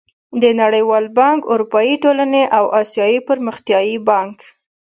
د نړېوال بانک، اروپايي ټولنې او اسيايي پرمختيايي بانک